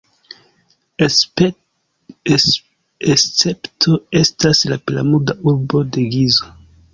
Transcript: Escepto estas la piramida urbo de Gizo.